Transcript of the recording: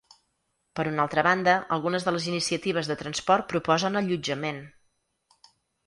Per una altra banda, algunes de les iniciatives de transport proposen allotjament.